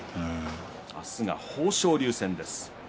明日は豊昇龍戦です。